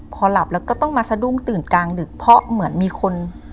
พอหลับแล้วก็ต้องมาสะดุ้งตื่นกลางดึกเพราะเหมือนมีคน